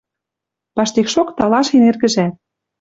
Паштекшок талашен эргӹжӓт...